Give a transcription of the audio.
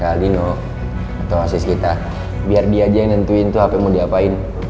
atau asis kita biar dia aja yang nentuin tuh hape mau diapain